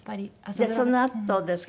でそのあとですか？